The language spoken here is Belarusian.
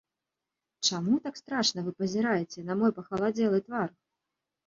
Чаму так страшна вы пазіраеце на мой пахаладзелы твар?